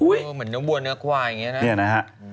เหมือนเนื้อวัวเนื้อควายอย่างนี้นะ